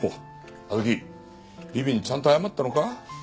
あずきビビにちゃんと謝ったのか？